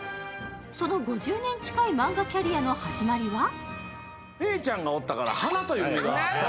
その５０年近いマンガキャリアの始まりは姉ちゃんがおったから。